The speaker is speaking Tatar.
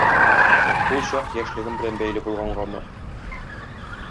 Ул чак яшьлегем белән бәйле булгангамы.